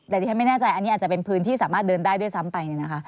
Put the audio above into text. แต่ที่ฉันไม่แน่ใจอันนี้อาจจะเป็นพื้นที่สามารถเดินได้ด้วยซ้ำไปเนี่ยนะคะ